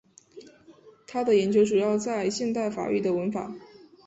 他的研究主要在现代法语的文法。